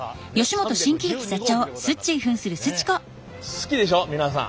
好きでしょ皆さん。